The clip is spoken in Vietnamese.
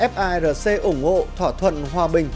firc ủng hộ thỏa thuận hòa bình